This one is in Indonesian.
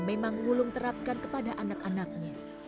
memang wulung terapkan kepada anak anaknya